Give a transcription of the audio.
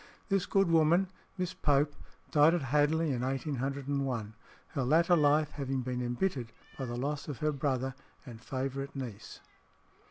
This good woman, Miss Pope, died at Hadley in 1801, her latter life having been embittered by the loss of her brother and favourite niece.